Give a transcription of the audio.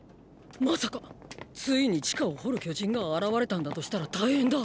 まさかついに地下を掘る巨人が現れたんだとしたら大変だ。